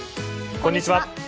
こんにちは。